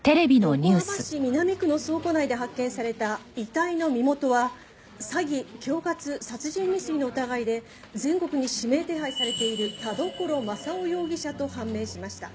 「横浜市南区の倉庫内で発見された遺体の身元は詐欺恐喝殺人未遂の疑いで全国に指名手配されている田所柾雄容疑者と判明しました」